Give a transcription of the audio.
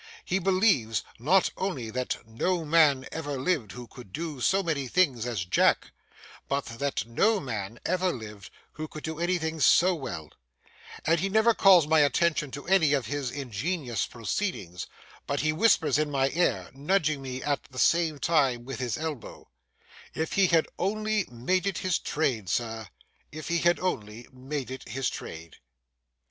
He believes, not only that no man ever lived who could do so many things as Jack, but that no man ever lived who could do anything so well; and he never calls my attention to any of his ingenious proceedings, but he whispers in my ear, nudging me at the same time with his elbow: 'If he had only made it his trade, sir—if he had only made it his trade!